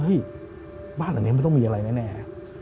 เฮ้ยบ้านเหล่านี้ไม่ต้องมีอะไรแน่